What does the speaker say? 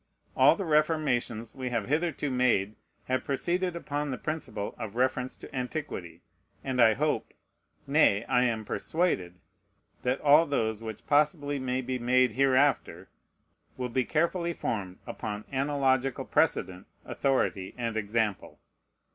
All the reformations we have hitherto made have proceeded upon the principle of reference to antiquity; and I hope, nay, I am persuaded, that all those which possibly may be made hereafter will be carefully formed upon analogical precedent, authority, and example.